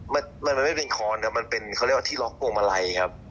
มันมันไม่เป็นค้อนแต่มันเป็นเขาเรียกว่าที่ล็อกพวงมาลัยครับ